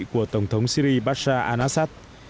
của tổng thống syri pasha al assad